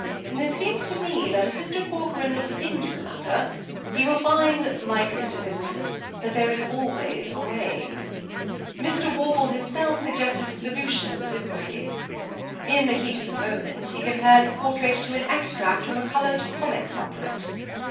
It seems to me that, if Mr. Corcoran looks into the matter, he will find, like Mr. Thistleton, that there is always a way. Mr. Worple himself suggested the solution of the difficulty. In the heat of the moment he compared the portrait to an extract from a coloured comic supplement.